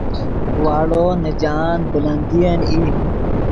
واڑو نے جاہند بلندین ای